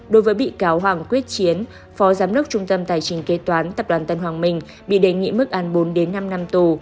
đối với bị cáo hoàng quyết chiến phó giám đốc trung tâm tài chính kế toán tập đoàn tân hoàng minh bị đề nghị mức án bốn đến năm năm tù